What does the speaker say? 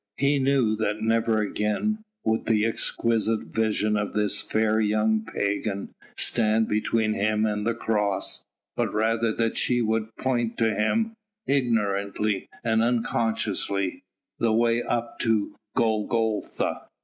He knew that never again would the exquisite vision of this fair young pagan stand between him and the Cross, but rather that she would point to him ignorantly and unconsciously the way up to Golgotha.